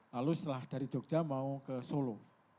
lalu setelah dari jogja mau ke solo